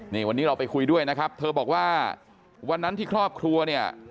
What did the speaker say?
นี่วันนี้เราไปคุยด้วยนะครับเธอบอกว่าวันนั้นที่ครอบครัวเนี่ย